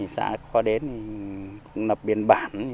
xã qua đến cũng nập biên bản